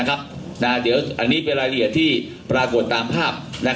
อันนี้เป็นรายละเอียดที่ปรากฏตามภาพ